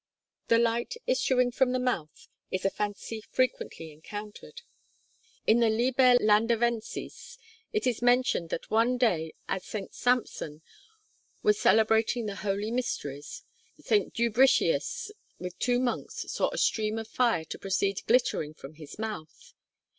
The light issuing from the mouth is a fancy frequently encountered. In the 'Liber Landavensis' it is mentioned that one day as St. Samson was celebrating the holy mysteries, St. Dubricius with two monks saw a stream of fire to proceed glittering from his mouth.